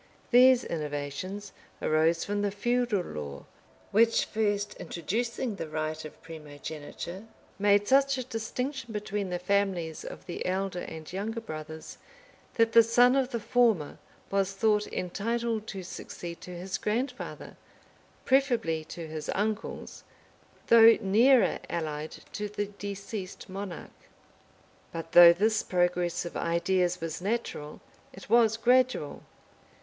These innovations arose from the feudal law; which, first introducing the right of primogeniture, made such a distinction between the families of he elder and younger brothers, that the son of the former was thought entitled to succeed to his grandfather, preferably to his uncles, though nearer allied to the deceased monarch. But though this progress of ideas was natural, it was gradual.